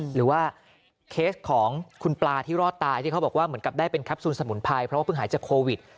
หรือว่าเคสของคุณปลาที่รอดตายที่เขาบอกว่าเหมือนกับได้เป็นแคปซูลสมุนไพรเพราะว่าเพิ่งหายจากโควิด